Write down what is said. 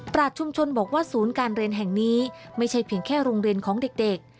ราชชุมชนบอกว่าศูนย์การเรียนแห่งนี้ไม่ใช่เพียงแค่โรงเรียนของเด็ก